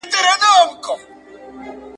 سکرین د کوټې دیوالونه روښانه کړي وو.